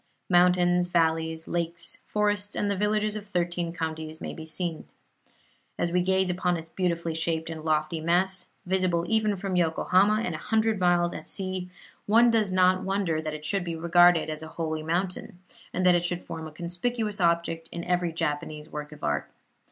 Mountains, valleys, lakes, forests and the villages of thirteen counties may be seen. As we gaze upon its beautifully shaped and lofty mass, visible even from Yokohama and a hundred miles at sea, one does not wonder that it should be regarded as a holy mountain, and that it should form a conspicuous object in every Japanese work of art.